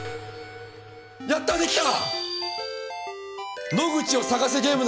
やったできた！